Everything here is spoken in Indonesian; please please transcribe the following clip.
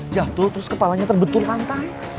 jatuh terus kepalanya terbetul kantai